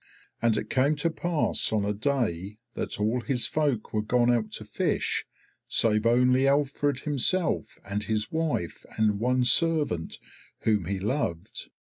And it came to pass on a day that all his folk were gone out to fish, save only Alfred himself and his wife and one servant whom he loved.